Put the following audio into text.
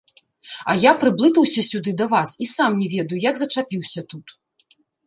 А я прыблытаўся сюды да вас і сам не ведаю, як зачапіўся тут.